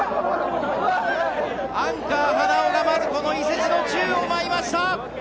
アンカー、花尾がまず伊勢路の宙を舞いました。